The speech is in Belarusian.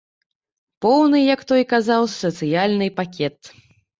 Поўны, як той казаў, сацыяльны пакет.